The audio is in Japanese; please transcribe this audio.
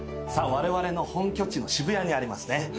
われわれの本拠地の渋谷にありますね。